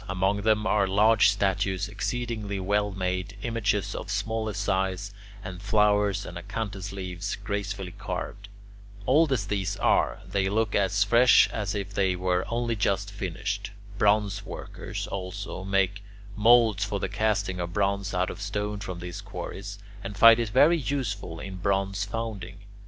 Among them are large statues exceedingly well made, images of smaller size, and flowers and acanthus leaves gracefully carved. Old as these are, they look as fresh as if they were only just finished. Bronze workers, also, make moulds for the casting of bronze out of stone from these quarries, and find it very useful in bronze founding.